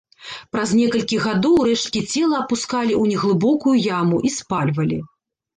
Праз некалькі гадоў рэшткі цела апускалі ў неглыбокую яму і спальвалі.